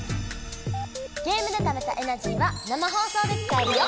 ゲームでためたエナジーは生放送で使えるよ！